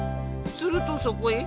するとそこへ。